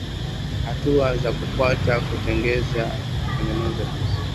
Hatua za kufuata kutengeneza juisi